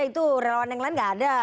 itu relawan yang lain gak ada